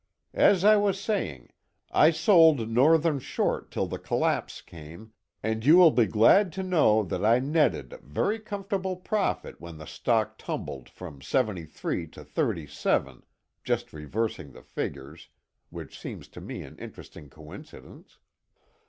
"As I was saying, I sold Northern short till the collapse came, and you will be glad to know that I netted a very comfortable profit when the stock tumbled from 73 to 37 just reversing the figures, which seems to me an interesting coincidence.